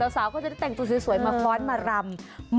สาวก็จะได้แต่งตัวสวยมาฟ้อนมารำ